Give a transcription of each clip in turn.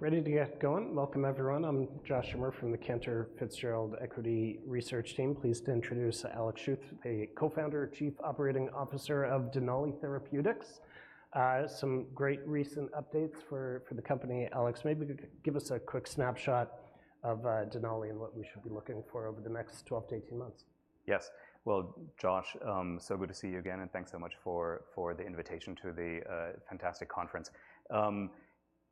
Ready to get going. Welcome, everyone. I'm Josh Schimmer from the Cantor Fitzgerald Equity Research Team. Pleased to introduce Alex Schuth, a co-founder, Chief Operating Officer of Denali Therapeutics. Some great recent updates for the company, Alex. Maybe give us a quick snapshot of Denali and what we should be looking for over the next 12-18 months. Yes. Well, Josh, so good to see you again, and thanks so much for the invitation to the fantastic conference.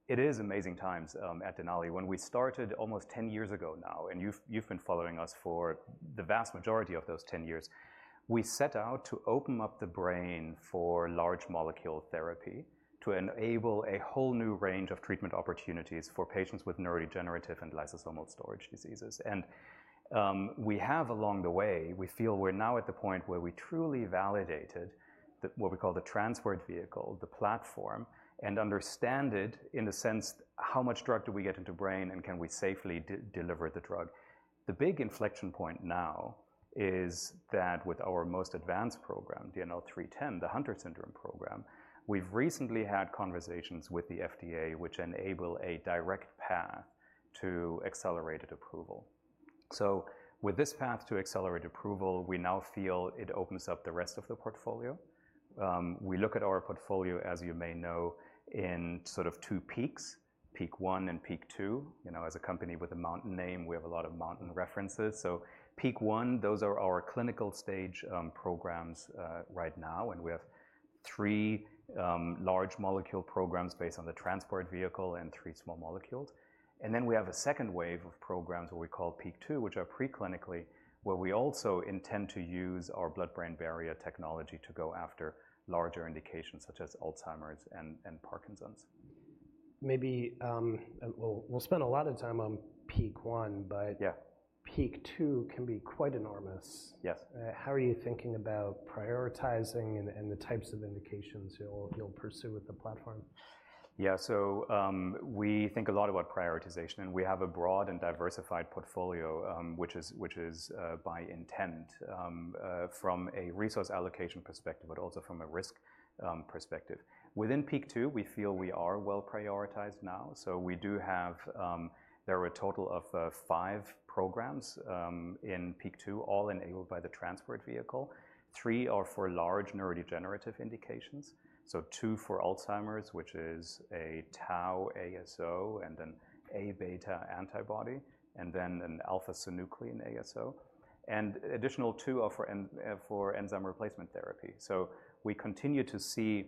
It is amazing times at Denali. When we started almost ten years ago now, and you've been following us for the vast majority of those ten years, we set out to open up the brain for large molecule therapy, to enable a whole new range of treatment opportunities for patients with neurodegenerative and lysosomal storage diseases. And we have along the way, we feel we're now at the point where we truly validated what we call the Transport Vehicle, the platform, and understand it in the sense, how much drug do we get into brain, and can we safely deliver the drug? The big inflection point now is that with our most advanced program, DNL310, the Hunter syndrome program, we've recently had conversations with the FDA, which enable a direct path to accelerated approval, so with this path to accelerated approval, we now feel it opens up the rest of the portfolio. We look at our portfolio, as you may know, in sort of two peaks, peak I and peak II. You know, as a company with a mountain name, we have a lot of mountain references, so peak I, those are our clinical stage programs right now, and we have three large molecule programs based on the Transport Vehicle and three small molecules. Then we have a second wave of programs, what we call peak II, which are preclinically, where we also intend to use our blood-brain barrier technology to go after larger indications, such as Alzheimer's and Parkinson's. Maybe, we'll spend a lot of time on peak I, but- Yeah. Peak II can be quite enormous. Yes. How are you thinking about prioritizing and the types of indications you'll pursue with the platform? Yeah. So, we think a lot about prioritization, and we have a broad and diversified portfolio, which is by intent from a resource allocation perspective, but also from a risk perspective. Within peak II, we feel we are well-prioritized now, so we do have. There are a total of five programs in peak II, all enabled by the Transport Vehicle. Three are for large neurodegenerative indications, so two for Alzheimer's, which is a tau ASO and an Abeta antibody, and then an alpha-synuclein ASO, and additional two are for enzyme replacement therapy. We continue to see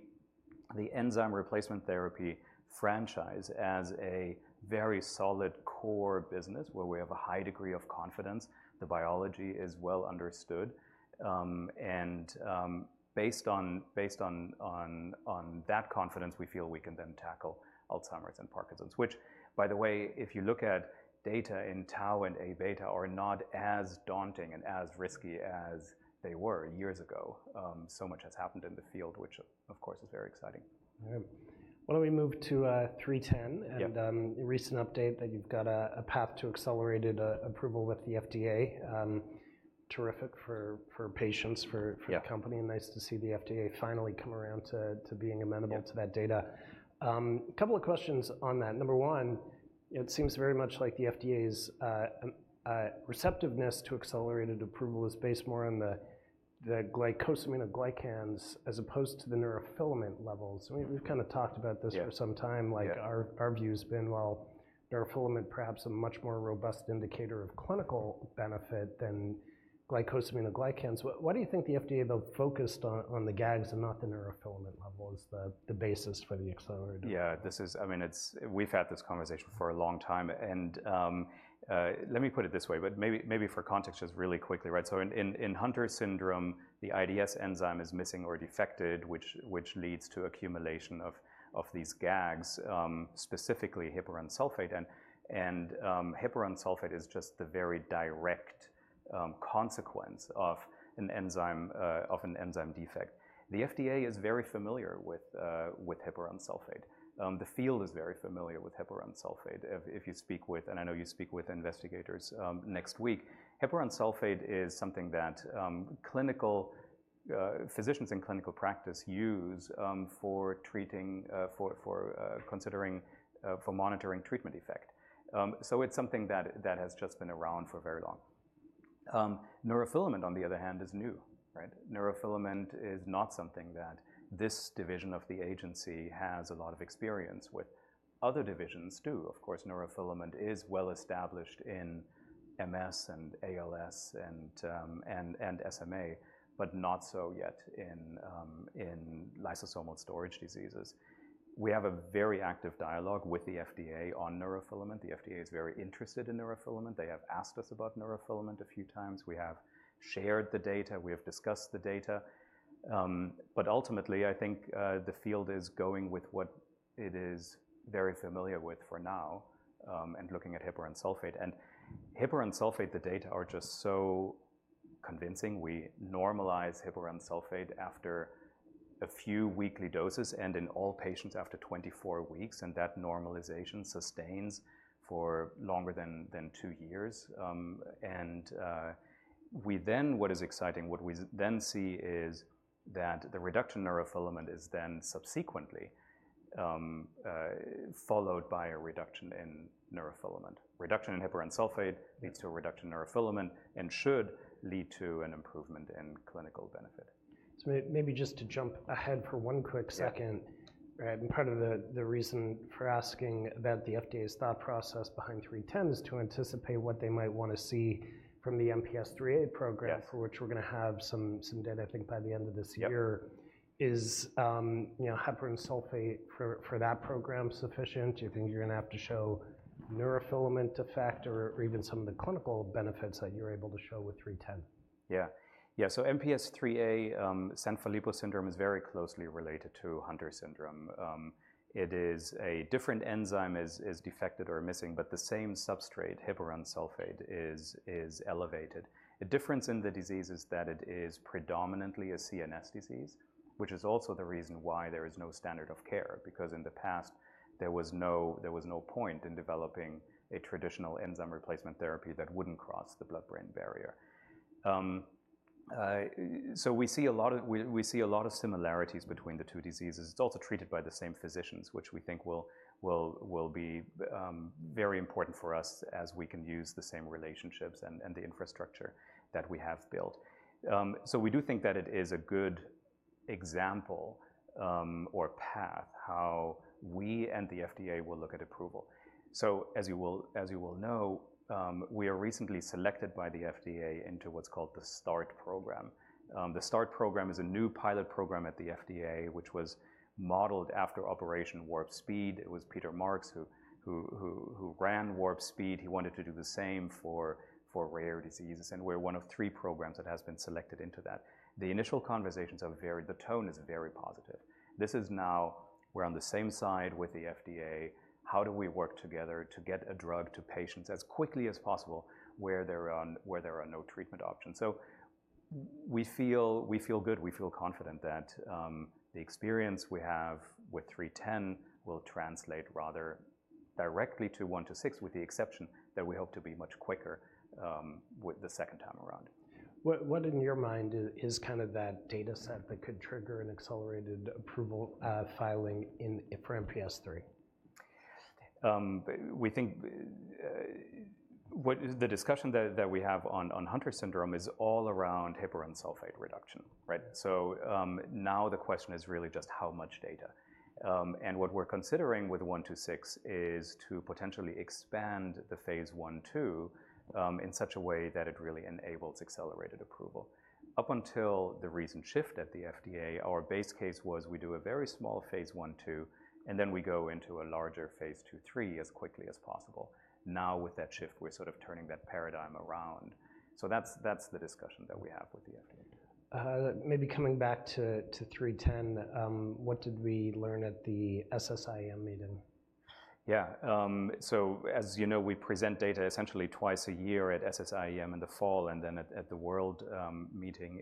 the enzyme replacement therapy franchise as a very solid core business, where we have a high degree of confidence, the biology is well understood, and based on that confidence, we feel we can then tackle Alzheimer's and Parkinson's. Which, by the way, if you look at data in tau and Abeta, are not as daunting and as risky as they were years ago. So much has happened in the field, which, of course, is very exciting. All right. Why don't we move to DNL310? Yeah. Recent update that you've got a path to accelerated approval with the FDA. Terrific for patients, for- Yeah... for the company, and nice to see the FDA finally come around to being amenable- Yeah... to that data. A couple of questions on that. Number one, it seems very much like the FDA's receptiveness to accelerated approval is based more on the glycosaminoglycans as opposed to the neurofilament levels. Mm-hmm. We've kind of talked about this. Yeah... for some time. Yeah. Like, our view has been, while neurofilament perhaps a much more robust indicator of clinical benefit than glycosaminoglycans, why do you think the FDA, though, focused on the GAGs and not the neurofilament level as the basis for the accelerated? Yeah, this is I mean, it's we've had this conversation for a long time, and let me put it this way, but maybe for context, just really quickly, right? So in Hunter syndrome, the IDS enzyme is missing or defected, which leads to accumulation of these GAGs, specifically heparan sulfate. And heparan sulfate is just the very direct consequence of an enzyme defect. The FDA is very familiar with heparan sulfate. The field is very familiar with heparan sulfate. If you speak with, and I know you speak with investigators, next week, heparan sulfate is something that clinical physicians in clinical practice use for monitoring treatment effect. So it's something that has just been around for very long. Neurofilament, on the other hand, is new, right? Neurofilament is not something that this division of the agency has a lot of experience with. Other divisions do. Of course, neurofilament is well established in MS and ALS and SMA, but not so yet in lysosomal storage diseases. We have a very active dialogue with the FDA on neurofilament. The FDA is very interested in neurofilament. They have asked us about neurofilament a few times. We have shared the data, we have discussed the data, but ultimately, I think, the field is going with what it is very familiar with for now, and looking at heparan sulfate, and heparan sulfate, the data are just so convincing. We normalize heparan sulfate after a few weekly doses and in all patients after 24 weeks, and that normalization sustains for longer than two years. We then see that the reduction in neurofilament is then subsequently followed by a reduction in neurofilament. Reduction in heparan sulfate leads to a reduction in neurofilament and should lead to an improvement in clinical benefit. So maybe just to jump ahead for one quick second. Yeah. Right, and part of the reason for asking about the FDA's thought process behind 310 is to anticipate what they might wanna see from the MPS IIIA program. Yeah for which we're gonna have some data, I think, by the end of this year. Yep. Is, you know, heparan sulfate for that program sufficient? Do you think you're gonna have to show neurofilament effect or even some of the clinical benefits that you're able to show with 310? Yeah. Yeah, so MPS IIIA, Sanfilippo syndrome, is very closely related to Hunter syndrome. It is a different enzyme is defected or missing, but the same substrate, heparan sulfate, is elevated. The difference in the disease is that it is predominantly a CNS disease, which is also the reason why there is no standard of care, because in the past, there was no point in developing a traditional enzyme replacement therapy that wouldn't cross the blood-brain barrier. So we see a lot of similarities between the two diseases. It's also treated by the same physicians, which we think will be very important for us as we can use the same relationships and the infrastructure that we have built. So we do think that it is a good example, or path, how we and the FDA will look at approval. So as you will know, we are recently selected by the FDA into what's called the START program. The START program is a new pilot program at the FDA, which was modeled after Operation Warp Speed. It was Peter Marks who ran Warp Speed. He wanted to do the same for rare diseases, and we're one of three programs that has been selected into that. The initial conversations are very, the tone is very positive. This is now we're on the same side with the FDA. How do we work together to get a drug to patients as quickly as possible where there are no treatment options? So we feel good. We feel confident that the experience we have with 310 will translate rather directly to 126, with the exception that we hope to be much quicker with the second time around. What in your mind is kind of that data set that could trigger an accelerated approval filing for MPS III? We think the discussion that we have on Hunter syndrome is all around heparan sulfate reduction, right? So, now the question is really just how much data? And what we're considering with 126 is to potentially expand the phase I/II in such a way that it really enables accelerated approval. Up until the recent shift at the FDA, our base case was we do a very small phase I/II, and then we go into a larger phase I/II as quickly as possible. Now, with that shift, we're sort of turning that paradigm around. So that's the discussion that we have with the FDA. Maybe coming back to 310, what did we learn at the SSIEM meeting? Yeah. So as you know, we present data essentially twice a year at SSIEM in the fall, and then at the WORLD meeting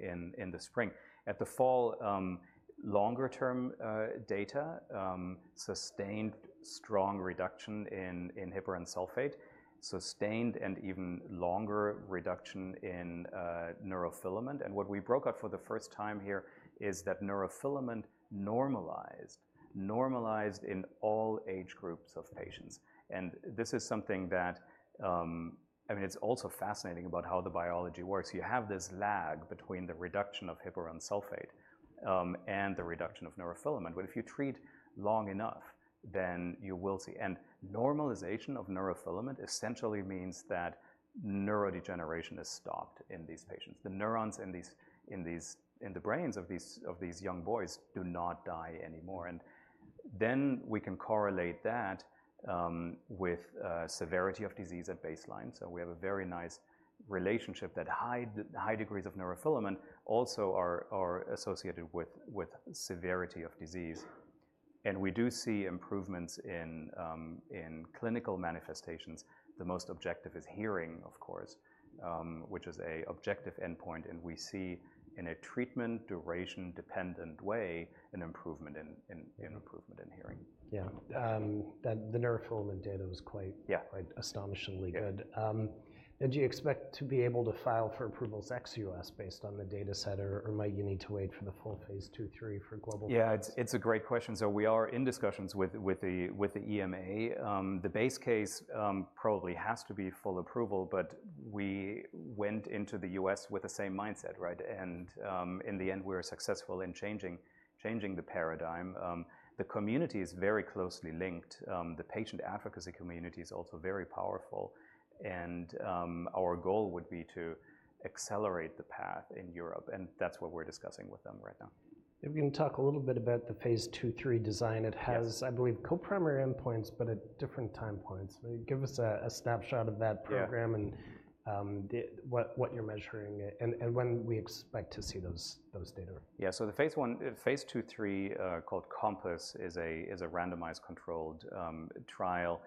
in the spring. At the fall longer term data sustained strong reduction in heparan sulfate, sustained and even longer reduction in neurofilament. And what we broke out for the first time here is that neurofilament normalized in all age groups of patients. And this is something that. I mean, it's also fascinating about how the biology works. You have this lag between the reduction of heparan sulfate and the reduction of neurofilament. But if you treat long enough, then you will see. And normalization of neurofilament essentially means that neurodegeneration is stopped in these patients. The neurons in the brains of these young boys do not die anymore. And then we can correlate that with severity of disease at baseline. So we have a very nice relationship, that high degrees of neurofilament also are associated with severity of disease. And we do see improvements in clinical manifestations. The most objective is hearing, of course, which is an objective endpoint, and we see in a treatment duration-dependent way, an improvement in hearing. Yeah. That the neurofilament data was quite- Yeah... quite astonishingly good. Yeah. And do you expect to be able to file for approvals ex U.S. based on the data set, or might you need to wait for the full phase I/II for global? Yeah, it's a great question. So we are in discussions with the EMA. The base case probably has to be full approval, but we went into the U.S. with the same mindset, right, and in the end, we were successful in changing the paradigm. The community is very closely linked. The patient advocacy community is also very powerful, and our goal would be to accelerate the path in Europe, and that's what we're discussing with them right now. Maybe you can talk a little bit about the phase I/II design. Yeah. It has, I believe, co-primary endpoints, but at different time points. Give us a snapshot of that program- Yeah... and the what you're measuring and when we expect to see those data. Yeah. So the phase I/II, called COMPASS, is a randomized controlled trial.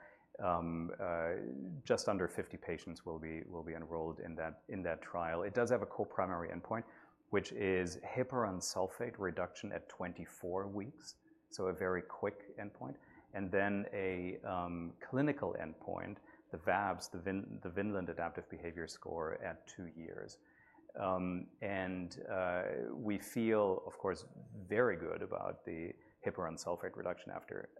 Just under fifty patients will be enrolled in that trial. It does have a co-primary endpoint, which is heparan sulfate reduction at 24 weeks, so a very quick endpoint, and then a clinical endpoint, the VABS, the Vineland Adaptive Behavior score at two years. And we feel, of course, very good about the heparan sulfate reduction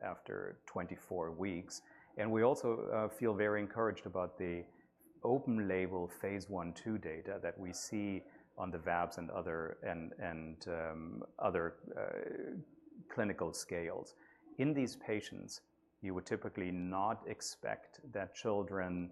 after 24 weeks. And we also feel very encouraged about the open-label phase I/II data that we see on the VABS and other clinical scales. In these patients, you would typically not expect that children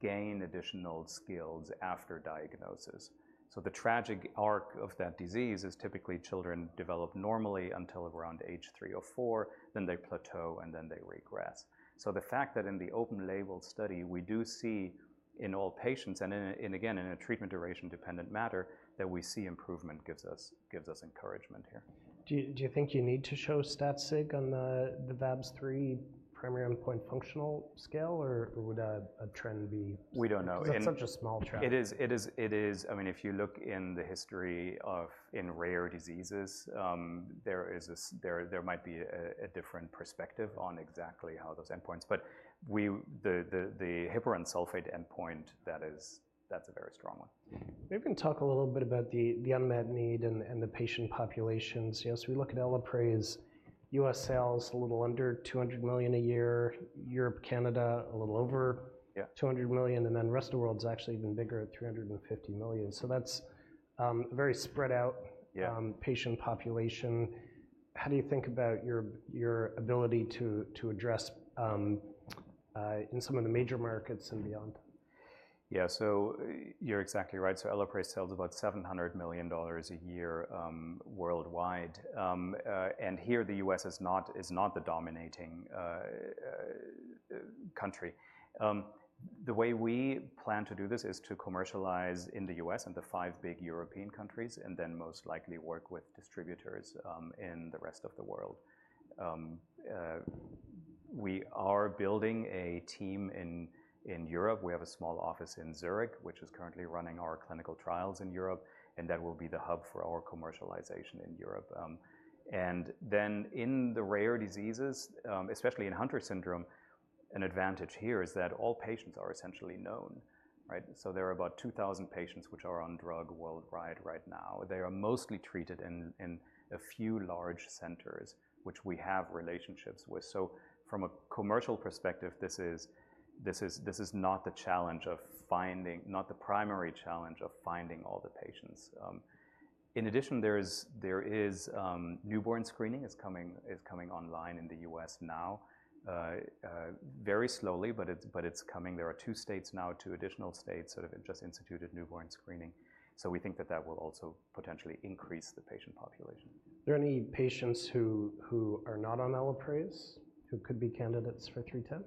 gain additional skills after diagnosis. So the tragic arc of that disease is typically children develop normally until around age three or four, then they plateau, and then they regress. So the fact that in the open-label study, we do see in all patients, and again, in a treatment duration-dependent manner, that we see improvement gives us, gives us encouragement here. Do you think you need to show stat sig on the VABS-3 primary endpoint functional scale, or would a trend be- We don't know, and- Because that's such a small trial. It is. I mean, if you look in the history of rare diseases, there is this. There might be a different perspective on exactly how those endpoints. But the heparan sulfate endpoint, that is, that's a very strong one. Maybe you can talk a little bit about the unmet need and the patient populations. You know, so we look at Elaprase U.S. sales, a little under $200 million a year. Europe, Canada, a little over- Yeah... $200 million, and then the rest of the world is actually even bigger at $350 million. So that's very spread out- Yeah... patient population. How do you think about your ability to address in some of the major markets and beyond? Yeah. So you're exactly right. So Elaprase sells about $700 million a year worldwide. And here, the U.S. is not the dominating country. The way we plan to do this is to commercialize in the U.S. and the five big European countries, and then most likely work with distributors in the rest of the world. We are building a team in Europe. We have a small office in Zurich, which is currently running our clinical trials in Europe, and that will be the hub for our commercialization in Europe. And then in the rare diseases, especially in Hunter syndrome, an advantage here is that all patients are essentially known, right? So there are about 2,000 patients which are on drug worldwide right now. They are mostly treated in a few large centers, which we have relationships with. So from a commercial perspective, this is not the primary challenge of finding all the patients. In addition, newborn screening is coming online in the U.S. now. Very slowly, but it's coming. There are two states now, two additional states that have just instituted newborn screening, so we think that that will also potentially increase the patient population. Are there any patients who are not on Elaprase, who could be candidates for 310?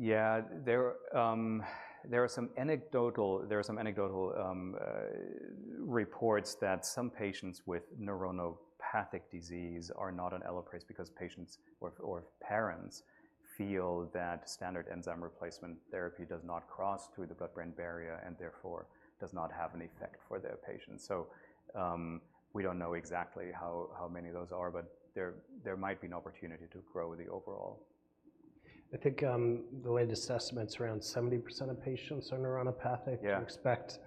Yeah. There are some anecdotal reports that some patients with neuronopathic disease are not on Elaprase because patients or parents feel that standard enzyme replacement therapy does not cross through the blood-brain barrier and therefore does not have an effect for their patients. We don't know exactly how many those are, but there might be an opportunity to grow the overall. I think, the latest assessment's around 70% of patients are neuronopathic. Yeah. Do you expect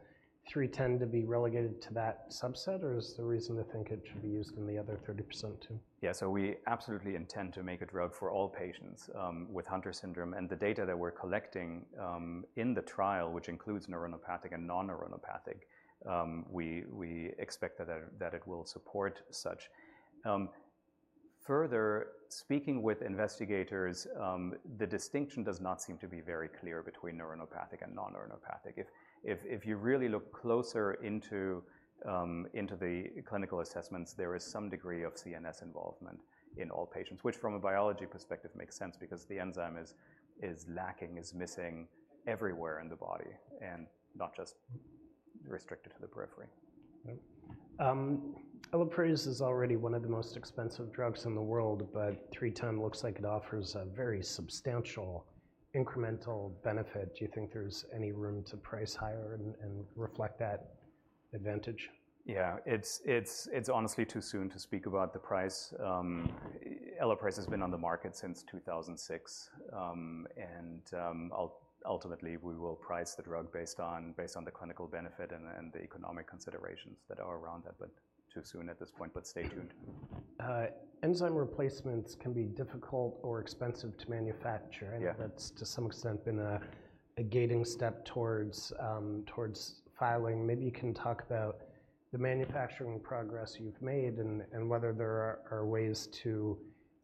310 to be relegated to that subset, or is the reason to think it should be used in the other 30%, too? Yeah, so we absolutely intend to make a drug for all patients with Hunter syndrome, and the data that we're collecting in the trial, which includes neuronopathic and non-neuronopathic, we expect that it will support such. Further, speaking with investigators, the distinction does not seem to be very clear between neuronopathic and non-neuronopathic. If you really look closer into the clinical assessments, there is some degree of CNS involvement in all patients, which, from a biology perspective, makes sense because the enzyme is lacking, is missing everywhere in the body and not just restricted to the periphery. Elaprase is already one of the most expensive drugs in the world, but 310 looks like it offers a very substantial incremental benefit. Do you think there's any room to price higher and reflect that advantage? Yeah. It's honestly too soon to speak about the price. Elaprase has been on the market since 2006. Ultimately, we will price the drug based on the clinical benefit and the economic considerations that are around that, but too soon at this point. Stay tuned. Enzyme replacements can be difficult or expensive to manufacture. Yeah... and that's, to some extent, been a gating step towards filing. Maybe you can talk about the manufacturing progress you've made and whether there are ways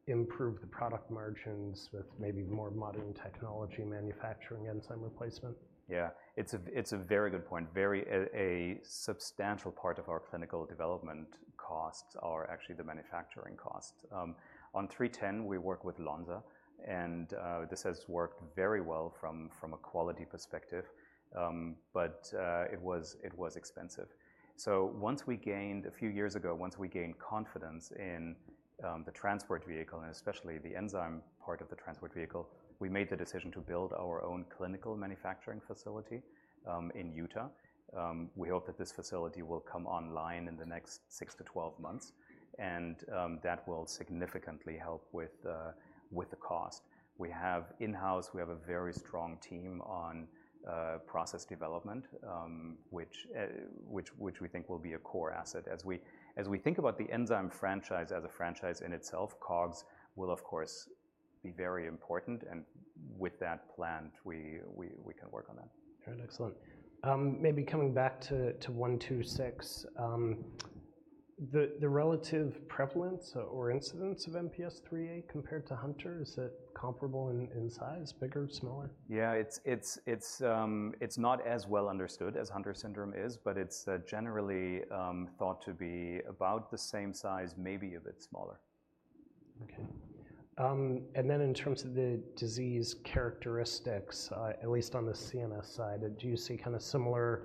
to improve the product margins with maybe more modern technology manufacturing enzyme replacement. Yeah. It's a very good point. A substantial part of our clinical development costs are actually the manufacturing costs. On 310, we work with Lonza, and this has worked very well from a quality perspective, but it was expensive. So a few years ago, once we gained confidence in the Transport Vehicle, and especially the enzyme part of the Transport Vehicle, we made the decision to build our own clinical manufacturing facility in Utah. We hope that this facility will come online in the next six to 12 months, and that will significantly help with the cost. We have in-house a very strong team on process development, which we think will be a core asset. As we think about the enzyme franchise as a franchise in itself, COGS will, of course, be very important, and with that planned, we can work on that. All right, excellent. Maybe coming back to DNL126, the relative prevalence or incidence of MPS IIIA compared to Hunter, is it comparable in size, bigger, smaller? It's not as well understood as Hunter syndrome is, but it's generally thought to be about the same size, maybe a bit smaller. Okay. And then in terms of the disease characteristics, at least on the CNS side, do you see kinda similar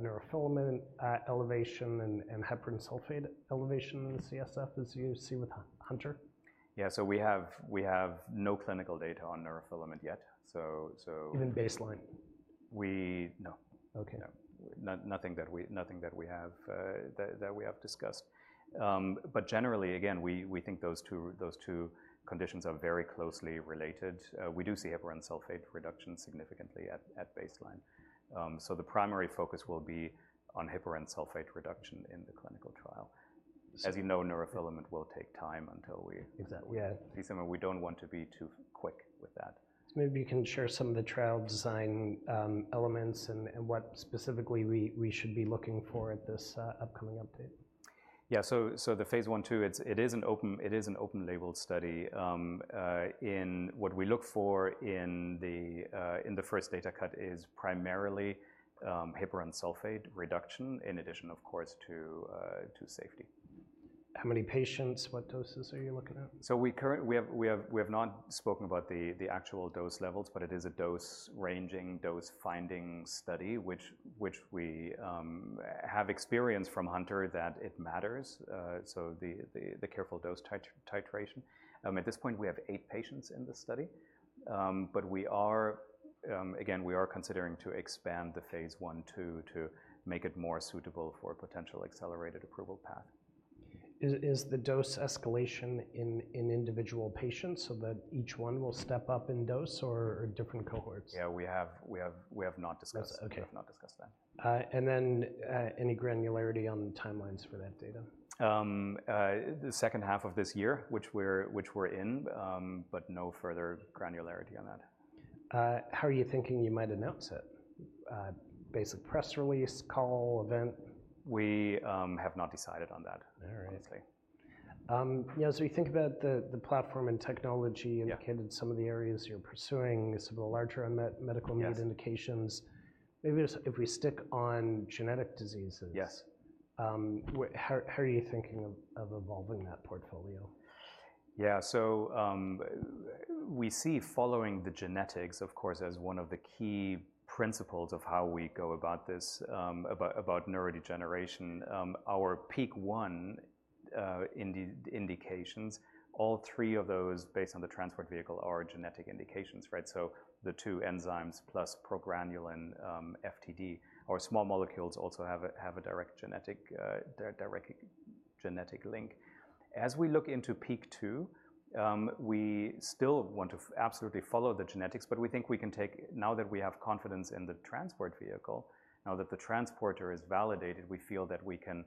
neurofilament elevation and heparan sulfate elevation in the CSF as you see with Hunter? Yeah. So we have no clinical data on neurofilament yet, so. Even baseline? We-- No. Okay. No. Nothing that we have discussed, but generally, again, we think those two conditions are very closely related. We do see heparan sulfate reduction significantly at baseline, so the primary focus will be on heparan sulfate reduction in the clinical trial. S- As you know, neurofilament will take time until we- Exactly. Yeah. See something, we don't want to be too quick with that. So maybe you can share some of the trial design elements and what specifically we should be looking for at this upcoming update. Yeah. So the phase I/II, it is an open label study. What we look for in the first data cut is primarily heparan sulfate reduction, in addition, of course, to safety. How many patients? What doses are you looking at? So we currently have not spoken about the actual dose levels, but it is a dose-ranging, dose-finding study, which we have experience from Hunter that it matters, so the careful dose titration. At this point, we have eight patients in this study. But we are again considering to expand the phase I/II to make it more suitable for a potential accelerated approval path. Is the dose escalation in individual patients so that each one will step up in dose or different cohorts? Yeah, we have not discussed- That's okay. We have not discussed that. And then, any granularity on the timelines for that data? The second half of this year, which we're in, but no further granularity on that. How are you thinking you might announce it? Basic press release, call, event? We have not decided on that. All right - honestly. You know, so you think about the platform and technology. Yeah... and some of the areas you're pursuing, some of the larger unmet medical needs- Yes Indications. Maybe just if we stick on genetic diseases. Yes... how are you thinking of evolving that portfolio? Yeah. So, we see following the genetics, of course, as one of the key principles of how we go about this, about neurodegeneration. Our peak I indications, all three of those, based on the Transport Vehicle, are genetic indications, right? So the two enzymes plus progranulin, FTD, or small molecules also have a direct genetic link. As we look into peak II, we still want to absolutely follow the genetics, but we think we can take, now that we have confidence in the Transport Vehicle, now that the transporter is validated, we feel that we can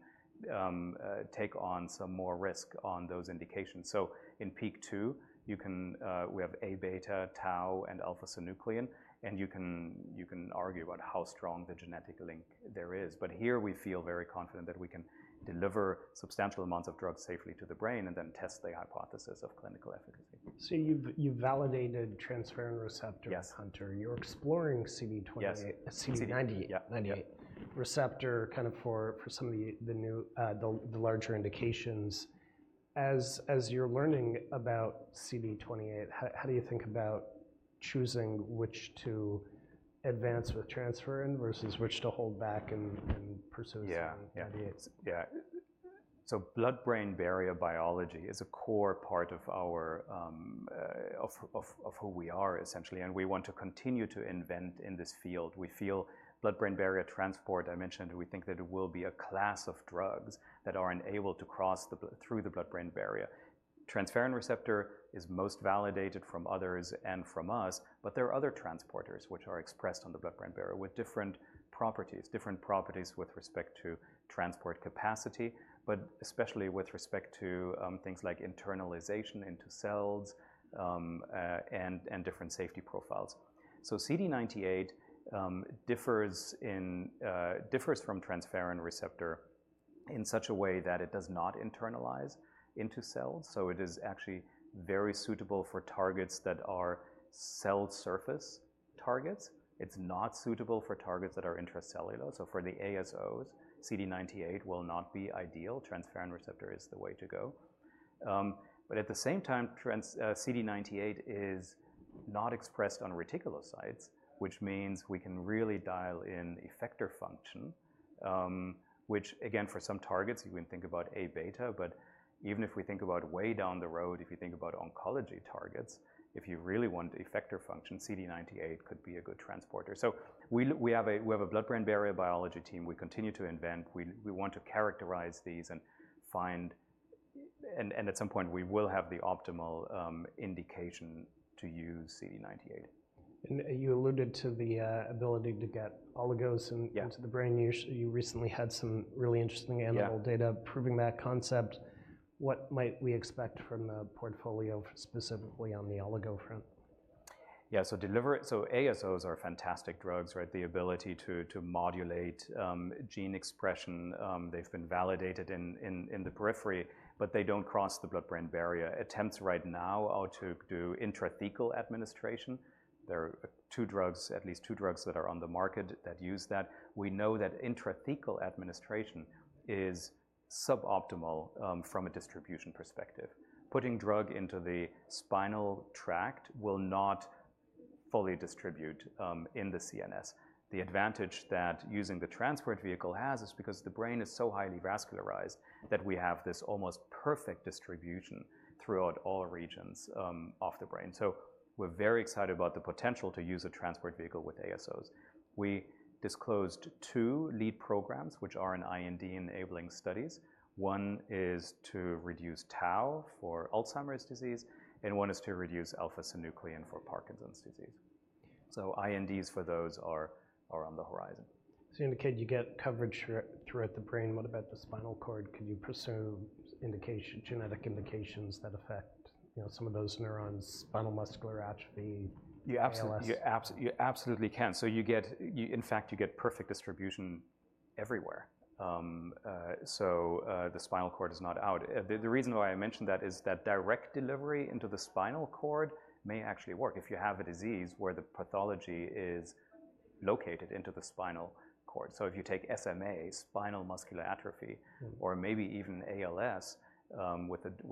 take on some more risk on those indications. So in peak II, you can, we have Aβ, tau, and alpha-synuclein, and you can, you can argue about how strong the genetic link there is. But here, we feel very confident that we can deliver substantial amounts of drugs safely to the brain and then test the hypothesis of clinical efficacy. So you've validated transferrin receptor- Yes... Hunter. You're exploring CD98- Yes... CD98. Yeah, 98. Receptor, kind of for some of the new, the larger indications. As you're learning about CD98, how do you think about choosing which to advance with transferrin versus which to hold back and pursue- Yeah Yeah, ideas? Yeah. So blood-brain barrier biology is a core part of our of who we are, essentially, and we want to continue to invent in this field. We feel blood-brain barrier transport, I mentioned, we think that it will be a class of drugs that are enabled to cross through the blood-brain barrier. Transferrin receptor is most validated from others and from us, but there are other transporters which are expressed on the blood-brain barrier with different properties with respect to transport capacity, but especially with respect to things like internalization into cells, and different safety profiles. So CD98 differs from transferrin receptor in such a way that it does not internalize into cells, so it is actually very suitable for targets that are cell surface targets. It's not suitable for targets that are intracellular. So for the ASOs, CD98 will not be ideal. Transferrin receptor is the way to go. But at the same time, CD98 is not expressed on reticulocytes, which means we can really dial in effector function, which again, for some targets, you can think about Aβ, but even if we think about way down the road, if you think about oncology targets, if you really want effector function, CD98 could be a good transporter. We have a blood-brain barrier biology team. We continue to invent. We want to characterize these and find. And at some point, we will have the optimal indications to use CD98. And you alluded to the ability to get oligos into- Yeah... the brain. You recently had some really interesting animal- Yeah Data proving that concept. What might we expect from the portfolio specifically on the oligo front? Yeah, so ASOs are fantastic drugs, right? The ability to modulate gene expression. They've been validated in the periphery, but they don't cross the blood-brain barrier. Attempts right now are to do intrathecal administration. There are two drugs, at least two drugs, that are on the market that use that. We know that intrathecal administration is suboptimal from a distribution perspective. Putting drug into the spinal tract will not fully distribute in the CNS. The advantage that using the Transport Vehicle has is because the brain is so highly vascularized that we have this almost perfect distribution throughout all regions of the brain. So we're very excited about the potential to use a Transport Vehicle with ASOs. We disclosed two lead programs, which are in IND-enabling studies. One is to reduce tau for Alzheimer's disease, and one is to reduce alpha-synuclein for Parkinson's disease. So INDs for those are on the horizon. So you indicate you get coverage throughout the brain. What about the spinal cord? Can you pursue indication, genetic indications that affect, you know, some of those neurons, spinal muscular atrophy, ALS? You absolutely can. So you get... You in fact, you get perfect distribution everywhere. So the spinal cord is not out. The reason why I mentioned that is that direct delivery into the spinal cord may actually work if you have a disease where the pathology is located into the spinal cord. So if you take SMA, spinal muscular atrophy- Mm-hmm... or maybe even ALS,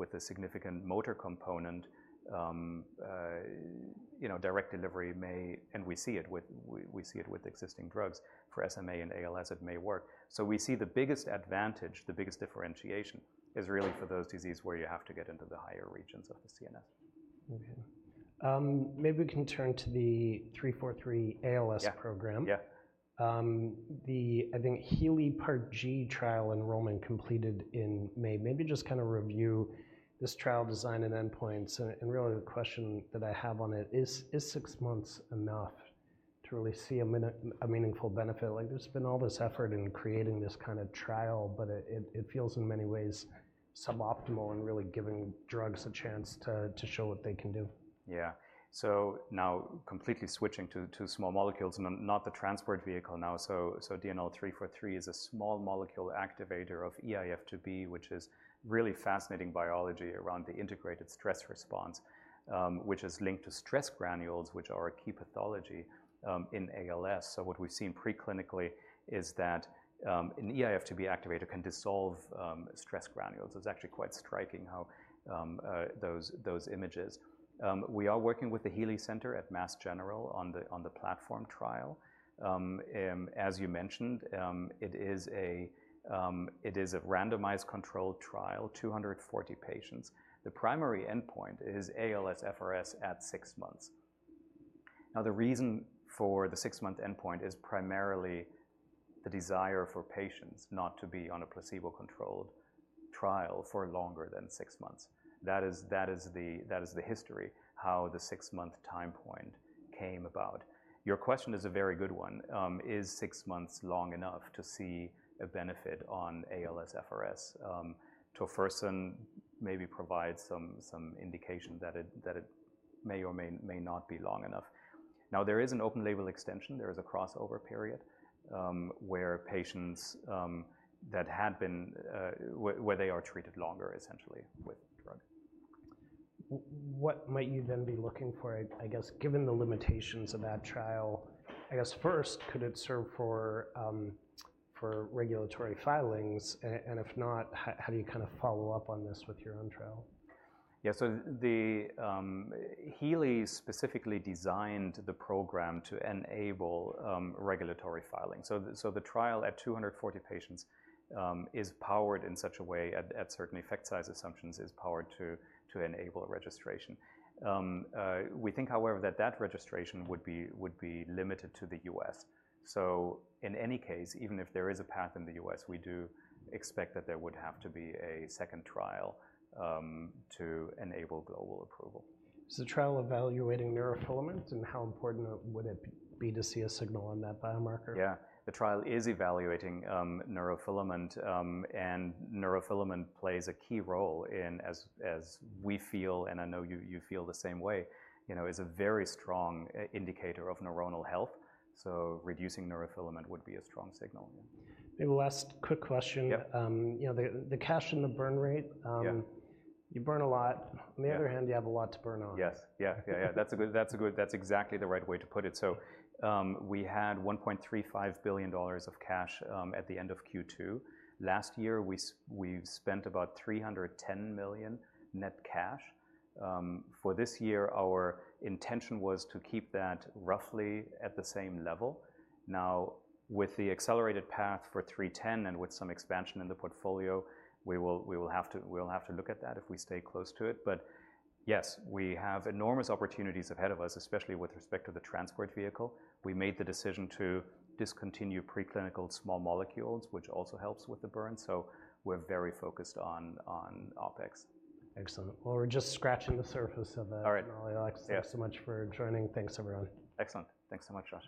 with a significant motor component, you know, direct delivery may, and we see it with existing drugs. For SMA and ALS, it may work. So we see the biggest advantage, the biggest differentiation, is really for those disease where you have to get into the higher regions of the CNS. Okay. Maybe we can turn to the DNL343 ALS program. Yeah. Yeah. The Healey Part G trial enrollment completed in May. Maybe just kinda review this trial design and endpoints, and really the question that I have on it is six months enough to really see a meaningful benefit? Like, there's been all this effort in creating this kind of trial, but it feels in many ways suboptimal and really giving drugs a chance to show what they can do. Yeah. So now completely switching to small molecules and not the Transport Vehicle now. So DNL343 is a small molecule activator of eIF2B, which is really fascinating biology around the integrated stress response, which is linked to stress granules, which are a key pathology in ALS. So what we've seen preclinically is that an eIF2B activator can dissolve stress granules. It's actually quite striking how those images. We are working with the Healey Center at Mass General on the platform trial. As you mentioned, it is a randomized controlled trial, 240 patients. The primary endpoint is ALSFRS at six months. Now, the reason for the six-month endpoint is primarily the desire for patients not to be on a placebo-controlled trial for longer than six months. That is the history, how the six-month time point came about. Your question is a very good one: is six months long enough to see a benefit on ALSFRS? Tofersen maybe provide some indication that it may or may not be long enough. Now, there is an open label extension. There is a crossover period, where patients that had been where they are treated longer, essentially, with drug. What might you then be looking for, I guess, given the limitations of that trial? I guess, first, could it serve for regulatory filings, and if not, how do you kind of follow up on this with your own trial? Yeah. So the Healey specifically designed the program to enable regulatory filings. So the trial at 240 patients is powered in such a way, at certain effect size assumptions, is powered to enable a registration. We think, however, that that registration would be limited to the U.S. So in any case, even if there is a path in the U.S., we do expect that there would have to be a second trial to enable global approval. Is the trial evaluating neurofilament, and how important would it be to see a signal on that biomarker? Yeah. The trial is evaluating neurofilament, and neurofilament plays a key role in, as we feel, and I know you feel the same way, you know, is a very strong indicator of neuronal health, so reducing neurofilament would be a strong signal. Maybe last quick question. Yeah. You know, the cash and the burn rate, Yeah... you burn a lot. Yeah. On the other hand, you have a lot to burn on. Yes. Yeah. That's a good. That's exactly the right way to put it. So, we had $1.35 billion of cash at the end of Q2 last year. We spent about $310 million net cash. For this year, our intention was to keep that roughly at the same level. Now, with the accelerated path for 310 and with some expansion in the portfolio, we will have to look at that if we stay close to it. But yes, we have enormous opportunities ahead of us, especially with respect to the Transport Vehicle. We made the decision to discontinue preclinical small molecules, which also helps with the burn, so we're very focused on OpEx. Excellent. Well, we're just scratching the surface of that. All right. Alex, thanks so much for joining. Thanks, everyone. Excellent. Thanks so much, Josh.